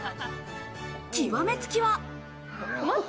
極めつきは。